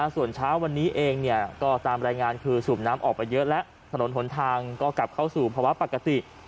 ส่วนเช้าวันนี้เองก็ตามรายงานคือสูบน้ำออกไปเยอะแล้วถนนหนทางก็กลับเข้าสู่ภาวะปกติ